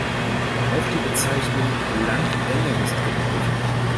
Auch die Bezeichnung Landenge ist gebräuchlich.